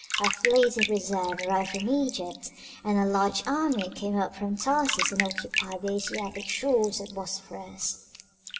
A fleet of reserve arrived from Egypt, and a large army came up from Tarsus and occupied the Asiatic shores of the Bosphorus.